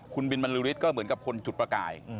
คุณบินมันลุลิตก็เหมือนกับคนฉุดประกาย